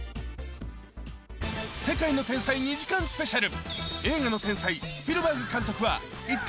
世界の天才２時間スペシャル。